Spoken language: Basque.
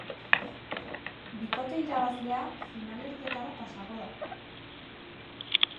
Bikote irabazlea finalerdietara pasako da.